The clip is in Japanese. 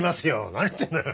何言ってんのよ。